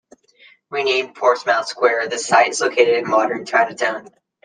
Renamed Portsmouth Square, the site is located in modern Chinatown.